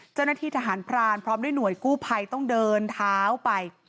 เจ้าหน้าที่ทหารพรานพร้อมด้วยหน่วยกู้ภัยต้องเดินเท้าไป